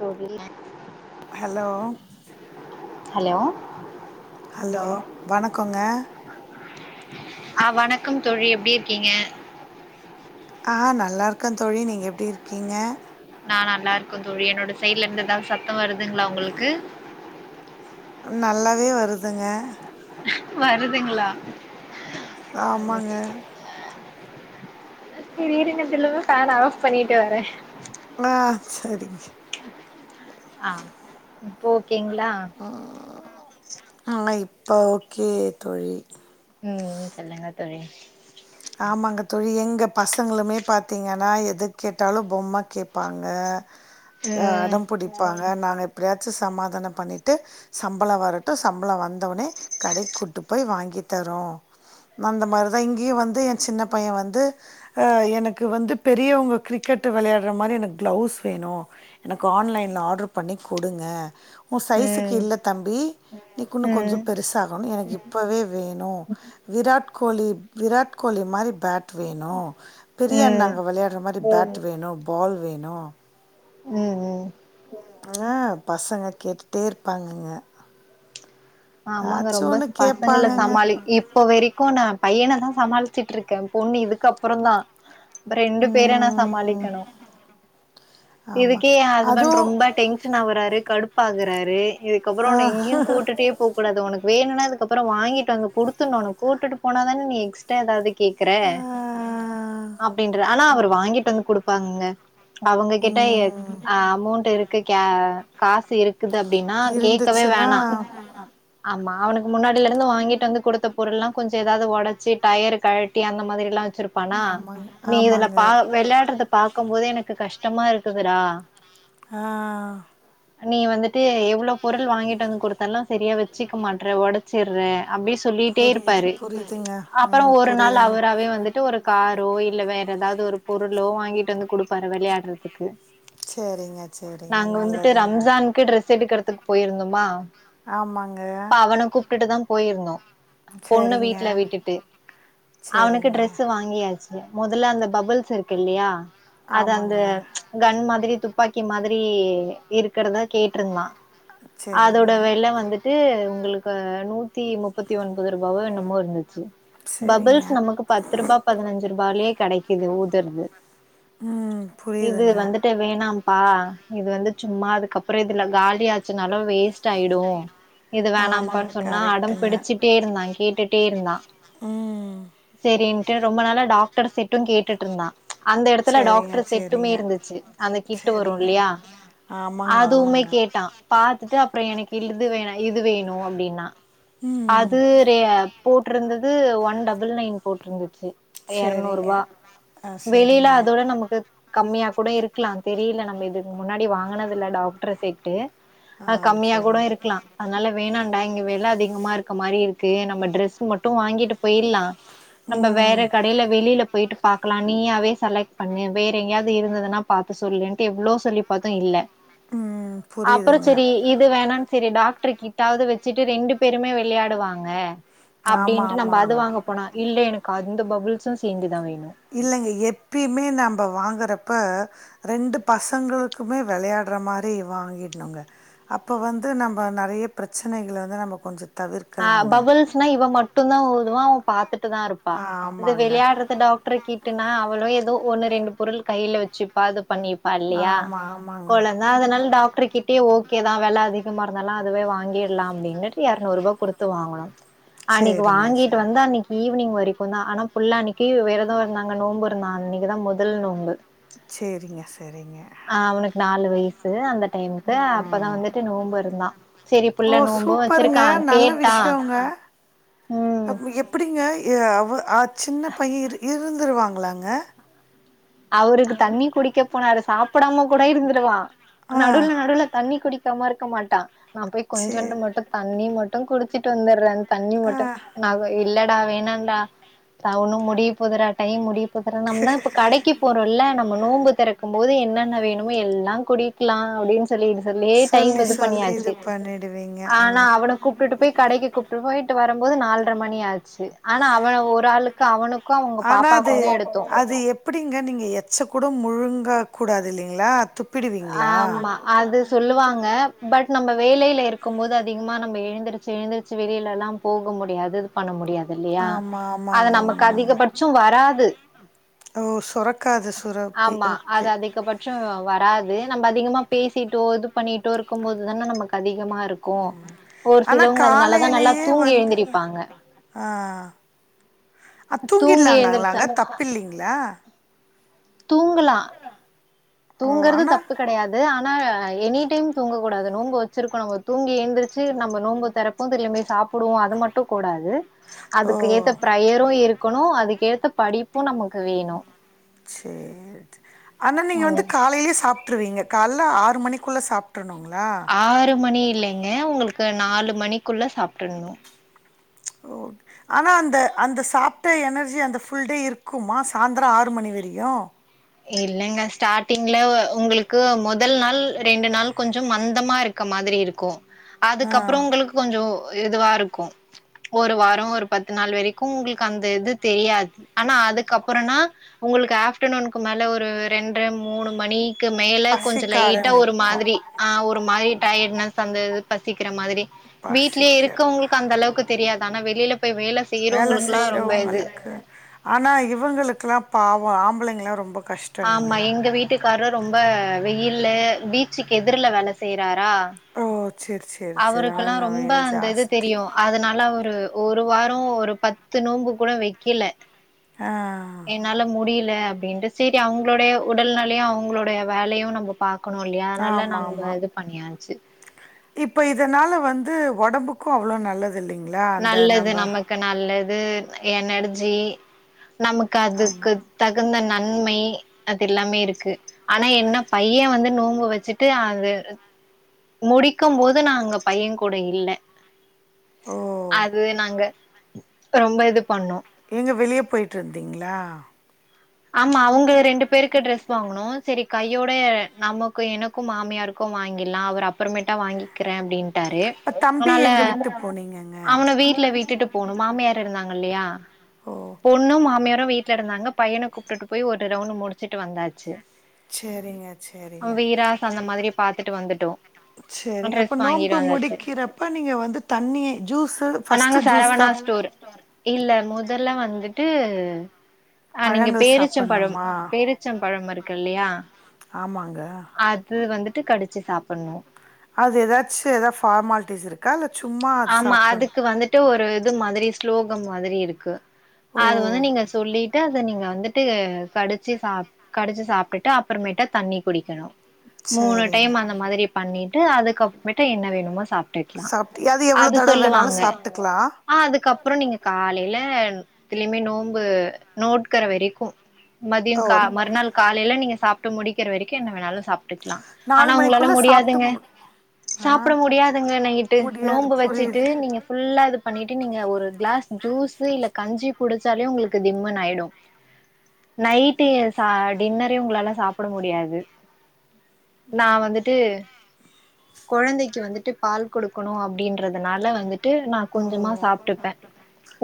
தோழி hello hello hello வணக்கங்க ஆ வணக்கம் தோழி எப்டி இருக்கீங்க ஆ நல்லா இருக்கோ தோழி நீங்க எப்டி இருக்கீங்க நா நல்லா இருக்கே தோழி என்னோட சைட்ல இருந்து ஏதாவது சத்தம் வருதுங்களா உங்களுக்கு நல்லாவே வருதுங்க வருதுங்களா ஆமாங்க செரி இருங்க சொல்லுங்க ஃபேன ஆஃப் பண்ணிட்டு வரே ஆ சரி ஆ ஓகேங்ளா ஆ இப்போ ஓகே தோழி ம் சொல்லுங்க தோழி ஆமாங்க தோழி எங்க பசங்களுமே பாத்திங்கன்னா எது கேட்டாலும் பொம்ம கேப்பாங்க ம் அடம் பிடிப்பாங்க நாங்க எப்படியாச்சும் சமாதானம் பண்ணிட்டு சம்பளம் வரட்டும் சம்பளம் வந்தவுனே கடை கூட்டு போய் வாங்கி தரோ அந்த மாரிதா இங்கியு வந்து ஏ சின்ன பையே வந்து ஆ எனக்கு வந்து பெரியவங்க கிரிக்கெட் வெளயாட்ற மாரி எனக்கு க்ளௌஸ் வேணு. எனக்கு ஆன்லைன்ல ஆர்டர் பண்ணி குடுங்க. ஊ சைஸுக்கு ம் இல்ல தம்பி. நீ குன்னு கொஞ்சோ ம் பெருசாகணு நீ எனக்கு இப்பவே வேணு விராட் கோலி விராட் கோலி மாரி பேட் வேணு. ம் பெரியண்ணங்க வெளயாட்ற மாரி பேட் வேணு பால் வேணு ம் ம் ஆ பசங்க கேட்டுட்டே இருப்பாங்கங்க ஆமாங்க ஆச்சு ரொம்ப ஒன்னு பசங்கல கேப்பாங்கங்க. சமாளி இப் இப்ப வரைக்கும் நா பையன தா சமாளிச்சிட்டு இருக்கே பொண்ணு இதுக்கப்றம் தா ரெண்டு பேர நா ம் சமாளிக்கணும் ஆமா இதுக்கே எ ஹஸ்பண்ட் அதுவும் ரொம்ப டெ டென்ஷன் ஆகுறாரு கடுப்பாகுறாரு இதுக்கப்புறம் ஆ உன்ன எங்கேயும் கூட்டுட்டே போகூடாது உனக்கு வேணுனா அதுக்கப்புறம் வாங்கிட்டு வந்து கொடுத்துணும் உன்ன கூட்டுட்டு போனாதான நீ எக்ஸ்ட்ரா ஏதாவது கேக்குற ஆ, அப்டின்றே ஆனா அவரு வாங்கிட்டு வந்து கொடுப்பாங்கங்க அவங்ககிட்ட ம் அமௌண்ட் இருக்கு க காசு இருக்கு இருக்குது அப்டின்னா கேக்கவே இருந்துச்சுன்னா வேணா ஆமா அவனுக்கு முன்னாடிலருந்து வாங்கிட்டு வந்து கொடுத்த பொருள் எல்லாம் கொஞ்சம் ஏதாவது உடைச்சு டயர் கழட்டி அந்த மாதிரி எல்லாம் வச்சிருப்ப பனா ஆமாங்க நீ இதுல ஆமாங்க பா வெளையாடுறது பாக்கும் போது எனக்கு கஷ்டமா இருக்குதுடா ஆ ஆ நீ வந்துட்டு எவ்ளோ பொருள் வாங்கிட்டு வந்து கொடுத்தாலும் சரியா வச்சுக்க மாட்டற உடைச்சிடற அப்டி சொல்லிட்டே புரியுது இருப்பாரு புரியுதுங்க அப்றௌ ம் ஒரு நாள் புரியுதுங்க அவுராவே வந்துட்டு ஒரு காரோ இல்ல வேற ஏதாவது ஒரு பொருளோ வாங்கிட்டு வந்து கொடுப்பாரு வெளையாடுறதுக்கு சேரிங்க சேரிங்க நாங்க வந்துட்டு நல்லதுங்க ரம்ஜானக்கு ட்ரெஸ் எடுக்கிறதுக்கு போயிருந்தோமா ஆமாங்க அப்ப அவன கூப்பிட்டுட்டு தா போயிருந்தோம் பொண்ணு சரிங்க வீட்ல விட்டுட்டு அவனுக்கு சரிங்க ட்ரெஸ் வாங்கியாச்சு முதல்ல அந்த பபுள்ஸ் இருக்குல்லையா அத அந்த ஆமாங்க கண் மாதிரி துப்பாக்கி மாதிரி இருக்கிறதா கேட்டருந்தா அதோட சரிங்க வில வந்து ட்டு உங்களுக்கு நூத்தி முப்பத்தி ஒன்பது ரூபாவோ என்னமோ இருந்துச்சு சரிங்க பபுள்ஸ் நமக்கு பத்து ரூபாய் பதினஞ்சு ரூபாலேயே கெடைக்குது ஊதுறது ம் இது புரியுதுங்க வந்துட்டு வேணாம்ப்பா இது வந்து சும்மா அதுக்கப்புறம் இதுல காலியாச்சுனால வேஸ்ட் ஆயிடும் இது ஆமாங்க வேணாப்பான்னு சொன்னா அடம் கரெக்ட்டுங்க புடிச்சிட்டேருந்தா கேட்டுட்டே இருந்தா ம் சேரின்ட்டு ரொம்ப நாளா டாக்டர் சீட்டு கேட்டுட்ருந்தா அந்த எடத்துல சரிங்க டாக்ட்ரு செட்டுமே சரிங்க இருந்துச்சு அந்த கிட்டு வரு சரிங்க இல்லியா ஆமாங்க அதுவுமே ஆமாங்க கேட்டா பாத்துட்டு அப்றோ எனக்கு இழுது வேண இது வேணு அப்டின்னா ம் அது ரே போட்ருந்தது ஒன் டபுள் நைன் போட்ருந்துச்சு சரிங்க எறநூற்பா ஆ வெளியில சரிங்க அதோட நமக்கு கம்மியா கூட இருக்லா தெரில நம்ப இதுக்கு முன்னாடி வாங்கனது இல்ல டாக்ட்ரு செட்டு ஆ அது கம்மியா செரி கூட இருக்கலா அதனால வேணாடா இங்க வெல அதிகமா இருக்க மாரி இருக்கு நம்ப டிரெஸ்ஸு மட்டு வாங்கிட்டு பெயிட்லா நம்ப ம் வேற கடைல வெளியில பொய்ட்டு பாக்கலா நீயாவே செலக்ட் பண்ணு வேற எங்கயாது இருந்துதுனா பாத்து சொல்லுன்டு எவ்ளோ சொல்லி பாத்தோ இல்ல ம் அப்றோ புரியுதுங்க செரி இது வேணா சேரி டாக் டர்கிட்டாவது வச்சிட்டு ரெண்டு பேருமே வெளையாடுவாங்க ஆமா அப்டின்ட்டு நம்ப அது ஆமாங்க வாங்க போனா இல்ல எனக்கு அந்த பபுள்ஸு சேந்துதா வேனு இல்லைங்க எப்பயுமே நம்ப வாங்குறப்ப ரெண்டு பசங்களுக்குமே வெளையாடுற மாரி வாங்கிடணுங்க அப்போ வந்து நம்ம நெறைய பிரச்சனைகள வந்து நம்ம கொஞ்சோ அ தவிர்க்கலாங்க பபுள்ஸ்னா இவ மட்டும்தா ஊதுவா அவ பாத்துட்டு தா இருப் பா இது ஆமாங்க விளையாடுறது டாக்ட்ரு கிட் னா அவளு ஏதோ ஒன்னு ரெண்டு பொருள் கையில வச்சுப்பா இது பண்ணி ப்பா இல்லையா ஆமா ஆமாங்க கொழந்தா அதனால டாக்ட்ரு கிட் ட்டே ஓகேதா வெல அதிகமா இருந்தாலு அதுவே வாங்கிற்லா அப்டின்னுட்டு எறநூர்பா குடுத்து வாங்குனோ அன்னைக்கு சேரிங்க வாங்கிட்டு சேரி வந்து அன்னைக் ஈவ்னிங் வரைக்கு தா ஆனா ஃபுல்லா அன்னிக்கு வெரதோ இருந்தாங்க நோம்பு இருந்தா அன்னைக்குதா மொதல் நோம்பு சேரிங்க சேரிங்க அ அவனுக்கு நாலு வயசு அந்த டைமுக்கு அப்பதா ம் வந்துட்டு நோம்பு இருந்தா சேரி ஓ புள்ள நோம்பு சூப்பருங்க வச்சிருக்கா நல்ல கேட்டா விஷ்யோங்க ம் அப்ப எப்டிங்க எ அவெ சின்ன பைய இருந்துருவாங்ளாங்க அவுருக்கு தண்ணி குடிக்க போனாரு சாப்டாம குட இருந்துருவா ஆ நடுவுல நடுவுல தண்ணி குடிக் காம இருக்க மாட்டா நா போய் சேரி கொஞ்சோண்டு மட்டு தண்ணி மட்டு குடிச்சிட்டு வந்தட்றே தண்ணி ஆ மட்டு நா இல்லடா வேணாடாட ஒன்னு முடிய போதுடா டைம் முடி அப்றோ நம்தா இப்ப கடைக்கி போறோல நம்ப நோம்பு தெறக்கு போது என்னென்ன வேணுமோ எல்லா குடிக்லா அப்டின்னு சொல்லி சொல்லியே டைம் சொல்லி இது சொல்லி இது பண்ணியாச்சி பண்ணிடுவீங்க ஆ ஆனா அவன கூப்டுட்டு போய் கடைக்கு கூப் ட்டு பொய்ட்டு வரம்போது நால்ர மணி ஆ ச்சி ஆனா அவெ ஒரு ஆளுக்கு அவனுக்கு அவங்க ஆனா அது பாப்பாக்கு தா எடுத்தோ அது எப்டிங்க நீங்க எச்ச கூட முழுங்க கூடாது இல்லைங்ளா துப் ஆமா அது சொல்லுவாங்க பட் நம்ப வேலையில இருக்கும் போது அதிகமா நம்ப எழுந்துருச்சி எழுந்துருச்சி வெளியிலலா போக முடியாது பண்ண முடியாது இல்லியா ஆமா அது ஆமாங்க நமக்கு உண்மங்க அதிகபட்சோ வராது ஓ சொரக்காது சுரப்பி ஓகே ச்சோ வராது நம்ப அதிகமா பேசிட்டோ இது பண்ணிட்டோ இருக்கும்போது தானே நமக்கு அதிகமா இருக் கு ஒரு ஆனா சிலவங்க அதனாலதா நல்லா காலையிலயே தூங்கி வந்து எழுந்திருப்பாங்க அ தூங்கி எழுந்திரிச்சா தூங்கிட்லாங்களாங்க தப்பில்லிங்ளா தூங்கலா ஓ தூங்குறது ஆனா தப்பு கெடையாது து ஆனா எனி டைம் தூங்கக்கூடாது நோம்பு வச்சிருக்கவங்க தூங்கி எழுந்திருச்சி நம்ப நோம்பு தெரப் தொறந்திலிருந்தே சாப்புடுவோ அது மட்டு கூடாது ஓ அதுக்கு ஏத்த ப்ரயரு இருக்கனு அதுக்கு ஏத்த படிப்பு நம்ளுக்கு வேணு சேரி ஆனா நீங்க வந்து ம் காலேலயே சாப் ட்ரு கால்ல ஆறு மணிக்குள்ள சாப்ட்டுருணுங்களா ஆறு மணி இல்லைங்க ஒங்களுக்கு நாலு மணிக்குள்ளே சாப்ட்டுர்னு ஓக் ஆனா அந்த அந்த சாப்ட எனர்ஜி அந்த ஃபுல் டே இருக்குமா சாந்திர ஆறு மணி வரையு இல்லங்க ஸ்டார்ட்டிங்ல உ உங்களுக்கு முதல் நாள் ரெண்டு நாள் கொஞ்சோ மந்தமா ருக் க மாதிரி இருக்கு ஆ அதுக்கப்பறோ உங்களுக்கு கொஞ்சோ இதுவா இருக்கு ஒரு வாரோ ஒரு பத்து நாள் வரைக்கு உங்களுக்கு அந்த இது தெரியாது ஆனா அதுக்கப்பறனா உங்களுக்கு ஆஃப்டர்நூனுகு மேல ஒரு ரெண்றை மூணு மணி க்கு மேல கொஞ்சோ பசிக்க லைட்டா ஒரு ஆரம்பிக்கு மாதிரி ஆ ஒரு மாதிரி டயர்ட்னெஸ் அந்த பசிக்கிற மாதிரி வீட்லயே பசிக்க இருக்கவங்களுக்கு க அந்த அளவுக்கு தெரியாது ஆனா வெளில போய் வேல வேல செய்யறவங்களுக்குல்லா ரொம்ப இது செய்றவுங்களுக்கு ஆனா இவுங்களுக்குல்லா பாவோ ஆம்பளைங்கல்லா ரொம்ப கஷ் ஆமா எங்க வீட்டுக்காரு ரொம்ப வெயில்ல பீச்சுக்கு எதிர்ல வேல செய்றாரா ஓ சேரி சேரி சேரி ஆனா அவருக்குல்லா இன்னு ரொம்ப வெயில் அந்த இது ஜாஸ்தி தெரியு அதனா ல அவரு ஒரு வாரோ ஒரு பத்து நோம்பு கூட வெக்கல ஆ என்னால முடில அப்டின்டு செரி அவுங்களுடைய உடல் நெலையு அவுங்களுடைய வேலையு நம்ப பாக்குனு இல்லையா அதனால ஆமா நம்ப இது பண்ணியாச்சி இப்போ இதனால வந்து ஒடம்புக்கு அவ்ளோ நல்லது தில்லைங்களா நல்லது நமக்கு நல்லது எனர்ஜி நமக் க ஆமா அதுக்கு தகுந்த நன்மை அது எல்லாமே இருக்கு ஆனா என்ன பையே வந்து நோம்பு வச்சுட்டு அது முடிக்கு போது நா அங்க பையே கூட இல்ல ஓ அது நாங்க ரொம்ப இது பண்ணோ ஏங்க வெளிய போய்ட்டுருந்தீங்களா ஆமா அவுங்க ரெண்டு பேருக்கு ட்ரெஸ் வாங்கணு செரி கையோட நமக்கு என க்கு மாமியாருக்கு வாங்கிலா அவர் அப்பறமேட்டா வாங்கி கிறே அப்டிட்டாரு தம்பி அதனால எங்க விட்டு போனீங்கங்க அவனை வீட்ல விட்டுட்டு போணு மாமியார் ட இருந்தாங்க இல்லையா ஓ பொண்ணு மாமியாரு வீட்ல இருந்தாங்க பையனை கூப்பிட்டு போய் ஒரு ரவுண்டு முடிச்சுட்டு வந்தாச்சு சேரிங்க சேரி அவ்வீராஸ் அந்த மாதிரி பாத்துட்டு வந்துட்டோ சேரிங்க அப்ப ட்ரெஸ் வாங்கிட்டு நோம்பு வந்தாச்சு முடிக்கிறப்ப நீங்க வந்து தண்ணியே ஜூஸ்சு நாங்க ஃபஸ்ட்டு ஜூஸ் தா சரவணா ஸ்டோர் ்டோர் இல்ல முதல்லா வந்துட்டு அ நீங்க பழங்கள் பேரீச்சம்பழம் சாப்பட்ணுமா பேரீச்சம்பழம் இருக்கு இல்லையா ஆமாங்க அ து வந்துட்டு கடிச்சு சாப்பிணு அது எதாச்சு எதா ஃபார்மாலிட்டிஸ் இருக்கா இல்ல சும்மா அது சாப்பிணு ட்டு ஒரு இது மாத்ரி ஸ்லோகம் மாத்ரி இருக்கு ஓ அது வந்து நீங்க சொல்லி ட்டு அத நீங்க வந்துட்டு கடிச்சி சா கடிச்சிசாப்ட்டுட்டு அப்புறமேட்ட தண்ணி குடிக்கணு மூணு சேரிங்க டைம் அந்த மாதிரி பண்ணிட்டு அதுக்கப்மேட்டு என்ன வேணுமோ சாப்ட்டுக்கலா சாப்ட்டு அது எவ்ளோ தடவ வேணாலு சாப்ட்டுக்கலா ஆ அதுக்கப்றோ நீங்க காலைல திலீமி நோன்பு நோட்க்கற வரைக்கு மதியோ ஓ கா மறுநாள் காலைல நீங்க சாப்ட்டு முடிக்கிற வரைக்கு என்ன வேணாலு சாப்ட்டுக்கலா நாலு ஆனா உங்களால மணிக்குள்ள சாப்ட்டு முடியாதுங்க மு ஆ சாப்பிட முடியாதுங்க நைட்டு முடியாது நோன்ம்பு வெச்சிட்டு புரியுது நீங்க ஃபுல்லாக இது பண்ணிட்டு நீங்க ஒரு க்ளாஸ் ஜூஸு இல்ல கஞ்சி குடிச்சாளே உங்களுக்கு திம்முனு ஆய்டு நைட்டு ச டின்னரே உங்களால சாப்பிட முடியாது நா வந்துட்டு கொழந்தைக்கு வந்துட்டு பால் குடுக்கணு அப்டின்றதுனால வந்துட்டு நா ஓ கொஞ்சமா சாப்ட்டுப்பே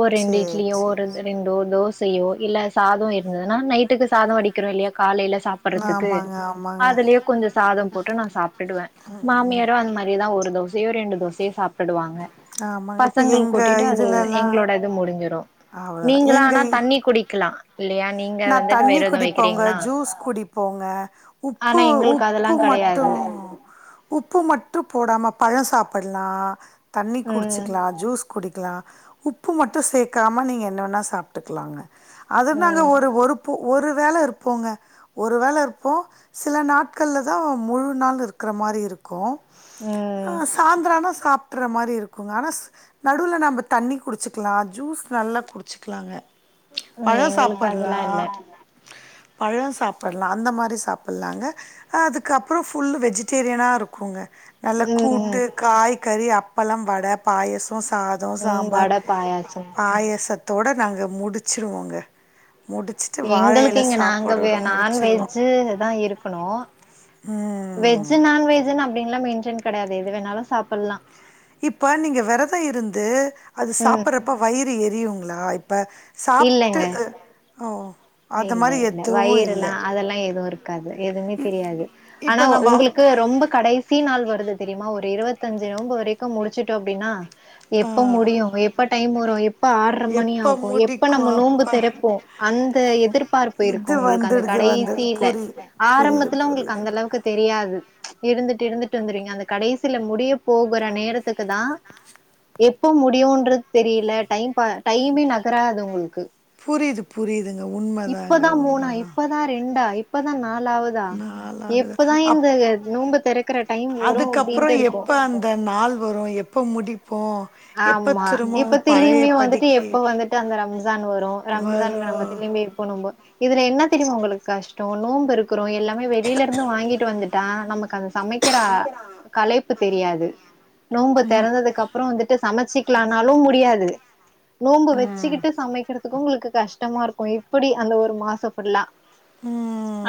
ஒரு ரெண்டு சேரி இட்லியோ ஒரு சேரி இது ரெண் டோ தோசையோ இல்ல சாதோ இருந்ததுனா நைட்டுக்கு சாதோ வடிக்கிறோ இல்லையா காலைல சாப் சேரி சாப்பறதுக்கு ஆமாங்க ஆமாங்க அதுலயே கொஞ்சோ சாதோ போட்டு நா சாப்ட்டிடுவே மாமியாரு அந்த மாரியே தா ஒரு தோசையோ ரெண்டு தோசையோ சாப் படுவாங்க ஆமாங்க இப்ப பசங்கள்க்கு எங்க ஊட்டிட்டு அது எங்களோட இது முடிஞ்சிரு அவ்ளோ தா ஏங்க டீ குடிக்கலா இல்லையா நீங்க நா வந்துட்டு தண்ணி விரதோ குடிப்போங்க வைக்கிறீங்களா ஜூஸ் குடிப்போங்க ஆனா உப்பு உ எங்களுக்கு அதெல்லா ப்பு மட்டு கெடையாது உப்பு மட்டு போடாம பழோ சாப்பட்லா தண்ணி ம் குடிச்சிக்கலா ஜூஸ் குடிக்கலா உப்பு மட்டு சேக்காம நீங்க என்ன வேனா சாப்ட்டுக்கலாங்க அது நாங்க ம் ஒரு ஒரு ஒரு வேள இருப்போங்க ஒருவேள இருப்போ சில நாட்கள்ல தா முழு நாள் இருக்கிற மாரி இருக் கு ம் சாய்ந்தரோ ஆனா சாப்ட்ற மாரி இருக்குங்க ஆனா நடுல நம்ப தண்ணி குடிச்சிக்கலா ஜூஸ் நல்லா குடிச்சிக்கலாங்க ம் பழோ எங்களுக்கு சாப்பட்லா அதெல்லா இல்ல பழோ சாப்பட்லா அந்த மாரி சாப்பட்லாங்க அதுக்கப்பறோ ஃபுல்லு வெஜிடேரியனா இருக்குங்க நல்லா ம் ம் கூட்டு காய்கறி அப்பலம் வட பாயசோ சா தோ ம் சாம்பார் வட பாயாசம் பாயசத்தோட நாங்க முடிச்சிருவோங்க முடிச் எங்களுக்கு இங்க நாங்கவே முடிச்சிருவோ நான்வெஜ்ஜு தா இருக்கணு ம் வெஜ்ஜு நான்வெஜ்ஜுன்னு அப்டின்லா மென்ஷன் கெடையாது எது வேணாலு சாப்பிட்லா இப்ப நீங்க விரதோ இருந்து அது ம் சாப்பறப்ப வயிறு எரியுங்ளா இப்ப சாப்ட்டு இல்லங்க அ ஓ அது இல்ல மாரி இல்ல எதுவு இல்ல வயிறெல்லா அதெல்லா எதுவு இருக்காது எதுமே தெரியாது ஆனா இப்ப நம்ம உங்களுக்கு ரொம்ப கடைசி நாள் வருது தெரியிமா ஒரு இருவத்தஞ்சு நோன்பு வரைக்கு முடிச்சிட்டோ அப்டின்னா ஆ எப்ப முடியு எப்ப டைம் வரு எப்ப ஆற்ர மணி எப்ப ஆகு எப்ப முடிக்கு நம்ம நோன்பு அப்ப தெறப்போ அந் த எதிர்பார்ப்பு இருக்கு இது உங்களுக்கு அந்த வந்துடுது வந்துடுது கடைசியில புரியுது புரியுது ஆரம்பத்துல உங்களுக்கு புரியுதுங்க அந்தளவுக்கு தெரியாது இருந்துட்டு இருந்துட்டு வந்துருவீங்க அந்த கடைசியில முடிய போகுற நேரத்துக்கு தா எப்ப முடியுன்றது தெரியல டைம் பா டைமே நகராது உங்களுக்கு புரியிது புரியிதுங்க உண் இப்பதா மூணா இப்பதா ரெண்டா இப்பதா நாலாவது நாள் ஆகுது எப்பதா அப் இந்த நோன்ப திறக்கற டைம் வரு அதுக்கப்றோ அப்டின்ட்டு இருக்கும் எப்ப அந்த நாள் வரும் எப்ப முடிப்போ எப்ப ஆமா திரும்பவு இப்ப பழைய திரும்பியும் வந்துட்டு படிக்கு எப்ப வந்துட்டு அந்த ரம்சான் வரும் ரம்ஜானுக்கு நம்ம திலும்பி எப்ப நம்ப இதுல என்ன தெரியுமா உங்களுக்கு கஷ்ட நோம்பு இருக்கோரோ எல்லாமே வெளியில இருந்து வாங்கிட்டு வந்துட்டா நமக்கு அந்த சமைக் க்கிற கலைப்பு தெரியாது நோன்பு திறந்ததுக்கு அப் அப்றோ வந்துட்டு சமைச்சிக்கலாம்னாலு முடியாது நோன்பு ம் வச்சுக்கிட்டு சமைக்கிறதுக்கும் உங்களுக்கு கஷ்டமா இருக்கும் எப்டி அந்த ஒரு மாச ஃபுல்லா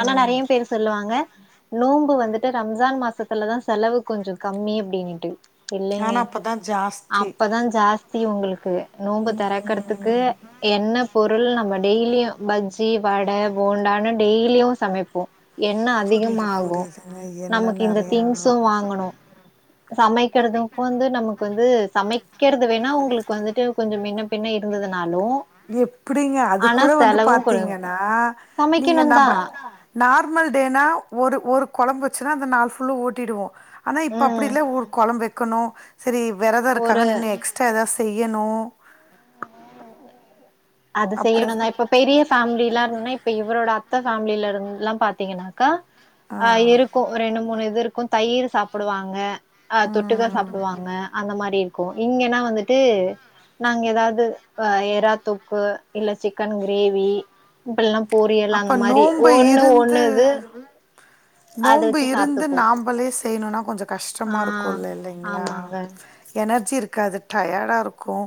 ஆனா நெறைய பேரு சொல்லுவாங்க நோன்பு வந்துட்டு ரம்ஜான் மாசத்துலதா செலவு கொஞ்ச கம்மி அப்டின்னுட்டு இல்லங்க ஆனா அப்பதா ஜாஸ்தி அப்பதா ஜாஸ்தி உங்களுக்கு நோம்பு திறக்கறதுக்கு என்ன பொருள் நம்ம டெய்லியு பஜ்ஜி வட போண்டானனு டெய்லியு சமைப் என்ன அதிகமா புரியுது ஆகு புரியுதுங்க என்ன நமக்கு இந்த நெறையா ஆகு திங்ஸும் வாங்கணு சமைக்கிறதுக்கும் வந்து நமக்கு வந்து சமைக்கிறது வேணா உங்களுக்கு வந்துட்டு கொஞ்ச முன்ன பின்ன இருந்ததுனாலு எப்டிங்க ஆனா அதுக்குட வந்து செலவு கொ பாத்தீங்கன்னா நீங்க சமைக்கணுந்தா நம்ப நார்மல் டேனா ஒரு ஒரு கொழம்பு வச்சுனா அந்த நாள் ஃபுல்லு ஓட்டிடுவோ ஆனா இப்ப அப்டி ம் இல்ல ஒரு கொழம்பு வைக்கணு சரி வறத ஒரு இருக்காங்கனு எக்ஸ் ற்ற எதா செய்யணு அது செய்யணுதா அப்டி இப்ப பெரிய ஃபேமிலிலா இருந்தன்னா இப்ப இவரோட அத்த ஃபேமிலில இருந்துலா பாத்தீங்கன்னாக்கா ஆ இருக்கு ரெண்டு மூணு இது இருக்கு தயிரு சாப்புடுவாங்க ஆ தொட்டுக்க ம் சாப்புடுவாங்க அந்த மாரி இருக்கு இங்கன்னா வந்துட்டு நாங்க ஏதாவது ஆ எறாத் தொக்கு இல்ல சிக்கன் கிரேவி இப்பல்லா பொரியல் அப்ப அந்த மாரி நோம்பு ஒண்ணு ஒண்ணுது நோன்ம்பு இருந்து நாமளே செய்யணுனா கொஞ்சோ ஆ. கஷ்டமா இருக்கு இல்ல இல்லங்களா ஆமாங்க. எனர்ஜி இருக்காது டயர்டா இருக்கு